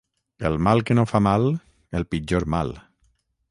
El mal que no fa mal, el pitjor mal.